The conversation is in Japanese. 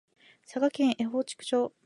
佐賀県江北町